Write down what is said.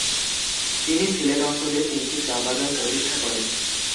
তিনি সিলেট অঞ্চলে তিনটি চা বাগান প্রতিষ্ঠা করেন।